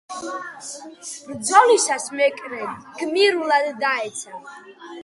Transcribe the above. ბრძოლისას მეკრე გმირულად დაეცა.